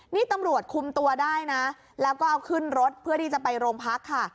นี่ตำรวจคุมตัวได้นะแล้วก็เอาขึ้นรถเพื่อที่จะไปโรงพักค่ะ